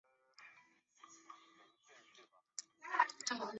它与中阿尔卑斯山脉主要是地质成分的差异。